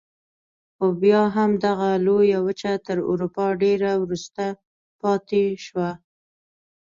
خو بیا هم دغه لویه وچه تر اروپا ډېره وروسته پاتې شوه.